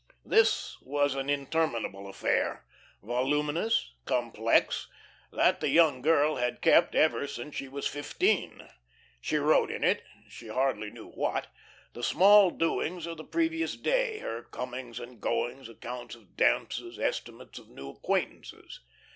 This was an interminable affair, voluminous, complex, that the young girl had kept ever since she was fifteen. She wrote in it she hardly knew what the small doings of the previous day, her comings and goings, accounts of dances, estimates of new acquaintances.